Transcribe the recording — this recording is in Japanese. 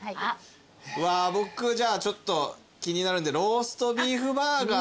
うわ僕じゃあちょっと気になるんでローストビーフバーガー。